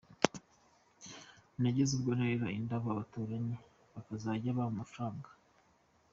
Nageze ubwo nterera indabo abaturanyi bakazajya bampa amafaranga.